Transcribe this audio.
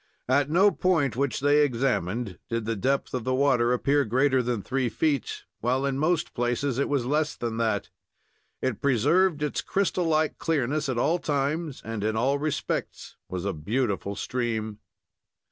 At no point which they examined did the depth of the water appear greater than three feet, while in most places it was less than that. It preserved its crystal like clearness at all times, and in all respects was a beautiful stream.